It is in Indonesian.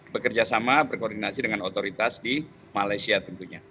bekerjasama berkoordinasi dengan otoritas di malaysia tentunya